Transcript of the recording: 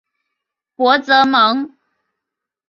博泽蒙。